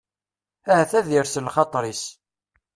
Ahat ad d-ires lxaṭer-is.